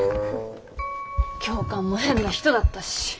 教官も変な人だったし。